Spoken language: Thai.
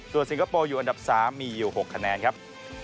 ส่วนสิงคโปร์อยู่อันดับ๓มีอยู่๖คะแนนครับ